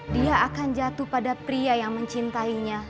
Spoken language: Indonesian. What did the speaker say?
dia akan jatuh pada pria yang mencintainya